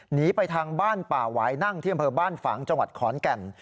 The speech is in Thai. หนีไปทางบ้านป่าหวายนั่งที่อำเภอบ้านฝางจังหวัดขอนแก่น